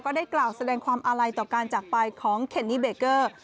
ได้กล่าวแสดงความอาลัยต่อการจากไปของเคนนี่เบเกอร์